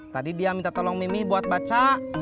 tadi dia minta tolong mimi buat baca